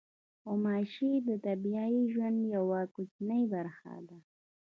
غوماشې د طبیعي ژوند یوه کوچنۍ برخه ده.